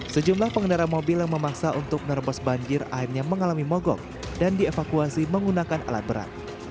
sejumlah pengendara mobil yang memaksa untuk menerbos banjir akhirnya mengalami mogok dan dievakuasi menggunakan alat berat